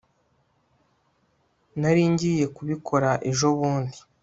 nari ngiye kubikora ejobundi